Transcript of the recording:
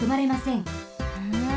ふん。